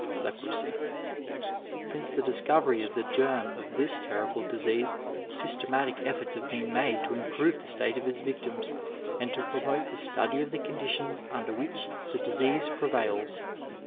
Leprosy. — Since the discovery of the germ of this terrible disease systematic efforts have been made to improve the state of its victims and to promote the study of the conditions under which the disease prevails.